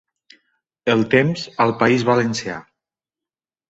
El temps al País Valencià.